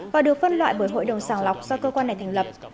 và được phân loại bởi hội đồng sàng lọc do cơ quan này thành lập